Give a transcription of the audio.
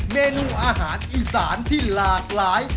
เมนูอาหารอีสานที่หลากหลาย